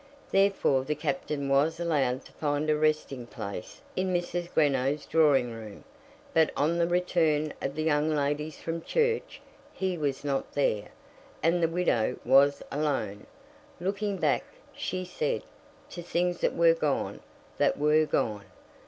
Therefore the Captain was allowed to find a resting place in Mrs. Greenow's drawing room; but on the return of the young ladies from church, he was not there, and the widow was alone, "looking back," she said, "to things that were gone; that were gone.